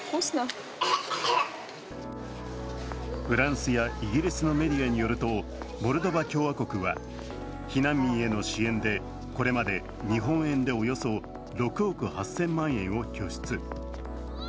フランスやイギリスのメディアによると、モルドバ共和国は避難民への支援でこれまで日本円でおよそ６億８０００万円を拠出